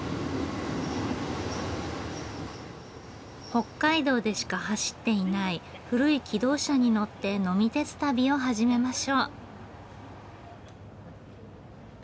北海道でしか走っていない古い気動車に乗って呑み鉄旅を始めましょう。